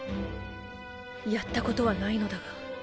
やったことはないのだが。